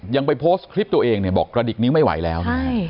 ยังไปโพสต์คลิปตัวเองบอกกระดิษฐ์นี้ไม่ไหวแล้ว